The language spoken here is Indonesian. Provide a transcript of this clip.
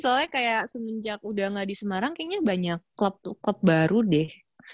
soalnya kayak semenjak udah gak di semarang kayaknya banyak klub tuh klub baru deh